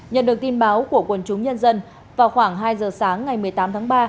nhận được tin báo của quần chúng nhân dân vào khoảng hai giờ sáng ngày một mươi tám tháng ba